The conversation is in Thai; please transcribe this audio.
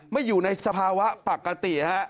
ไม่อยู่ในสภาวะปกติฮะ